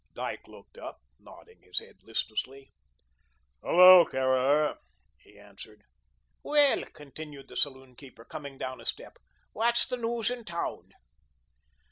Dyke looked up, nodding his head listlessly. "Hello, Caraher," he answered. "Well," continued the saloonkeeper, coming forward a step, "what's the news in town?"